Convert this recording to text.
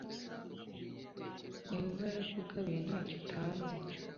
yohova yarakugabiye ntacyo utanze